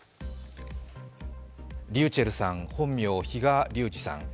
ｒｙｕｃｈｅｌｌさん、本名・比嘉龍二さん。